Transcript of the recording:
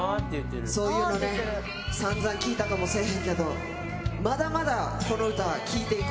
そういうのね散々聴いたかもせえへんけどまだまだこの歌聴いていこう。